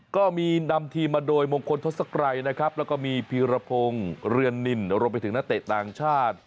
ก็มีนำทีมมาโดยมงคลทศกรัยนะครับแล้วก็มีพีรพงศ์เรือนนินรวมไปถึงนักเตะต่างชาติ